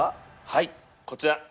はいこちら。